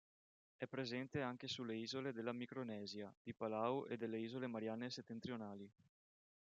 È presente anche sulle isole della Micronesia, di Palau e delle Isole Marianne Settentrionali.